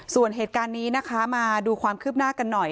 ส่วนเหตุการณ์นี้นะคะมาดูความคืบหน้ากันหน่อย